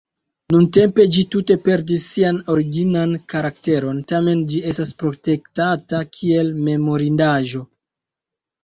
Nuntempe ĝi tute perdis sian originan karakteron, tamen ĝi estas protektata kiel memorindaĵo.